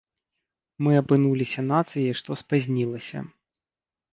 Мы апынуліся нацыяй, што спазнілася.